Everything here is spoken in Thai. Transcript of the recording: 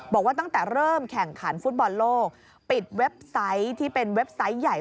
บอกว่าตั้งแต่เริ่มแข่งขันฟุตบอลโลกปิดเว็บไซต์ที่เป็นเว็บไซต์ใหญ่